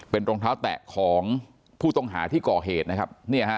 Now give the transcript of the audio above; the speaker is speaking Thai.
เป็นรองเท้าแตะของผู้ต้องหาที่ก่อเหตุนะครับ